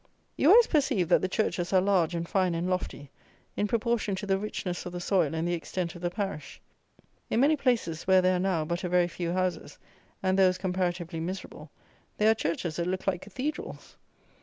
You always perceive that the churches are large and fine and lofty, in proportion to the richness of the soil and the extent of the parish. In many places where there are now but a very few houses, and those comparatively miserable, there are churches that look like cathedrals.